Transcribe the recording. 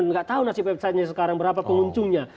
tidak tahu nasib website nya sekarang berapa pengunjungnya